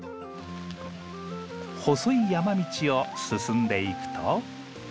細い山道を進んでいくと。